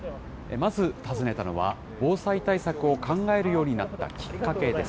まず尋ねたのは、防災対策を考えるようになったきっかけです。